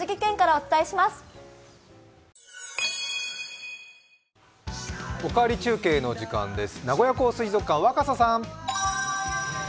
「おかわり中継」の時間です。